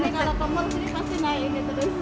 setelah lelah bermain perut kita juga menangis